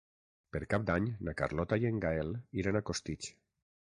Per Cap d'Any na Carlota i en Gaël iran a Costitx.